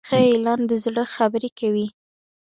ښه اعلان د زړه خبرې کوي.